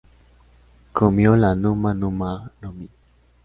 Comió la Numa Numa no mi.